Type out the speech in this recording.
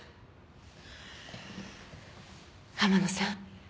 浜野さん